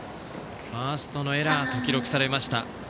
ファーストのエラーと記録されました。